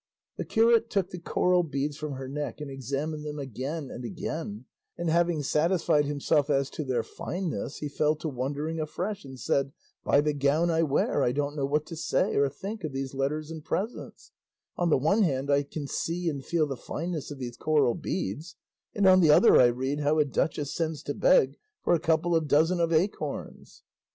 The curate took the coral beads from her neck and examined them again and again, and having satisfied himself as to their fineness he fell to wondering afresh, and said, "By the gown I wear I don't know what to say or think of these letters and presents; on the one hand I can see and feel the fineness of these coral beads, and on the other I read how a duchess sends to beg for a couple of dozen of acorns."